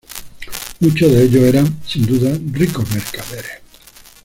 Muchos de ellos eran, sin duda, ricos mercaderes.